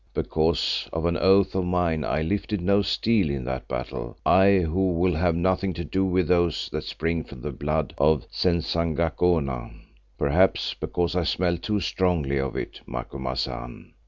because of an oath of mine I lifted no steel in that battle, I who will have nothing to do with those that spring from the blood of Senzangacona—perhaps because I smell too strongly of it, Macumazahn.